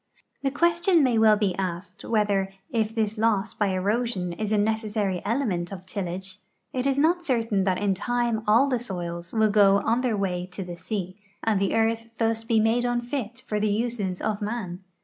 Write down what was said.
The question may well be asked whether, if this loss b}^ erosion is a neces.sary element of tillage, it is not certain that in time all the soils will go on their way to the sea, and the earth thus be made unfit for the uses of man.